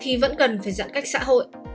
thì vẫn cần phải giãn cách xã hội